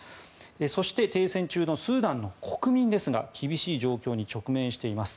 そして停戦中のスーダンの国民ですが厳しい状況に直面しています。